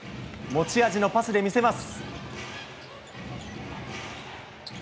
持ち味のパスで見せます。